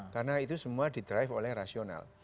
karena itu semua didrive oleh rasional